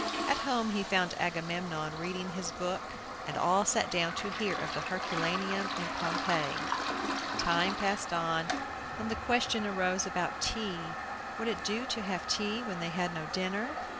At home he found Agamemnon reading his book, and all sat down to hear of Herculaneum and Pompeii. Time passed on, and the question arose about tea. Would it do to have tea when they had had no dinner?